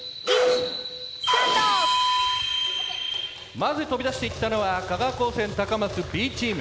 まず飛び出していったのは香川高専高松Ｂチーム。